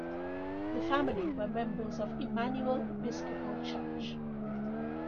The family were members of Immanuel Episcopal Church.